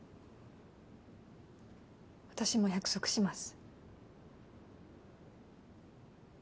私も約束します。